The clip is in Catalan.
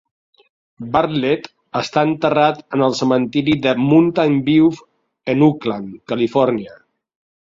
Bartlett està enterrat en el cementiri de Mountain View en Oakland, Califòrnia.